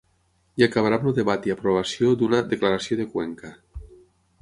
I acabarà amb el debat i aprovació d’una “Declaració de Cuenca”.